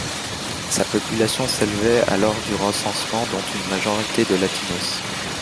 Sa population s’élevait à lors du recensement, dont une majorité de Latinos.